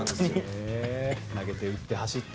投げて、打って、走って。